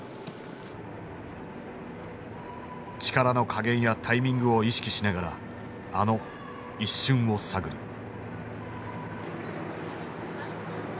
力の加減やタイミングを意識しながらあの一瞬を探る。